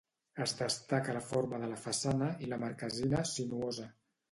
Es destaca la forma de la façana i la marquesina sinuosa.